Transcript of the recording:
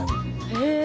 へえ。